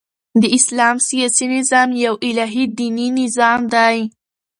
د اسلام سیاسي نظام یو الهي دیني نظام دئ.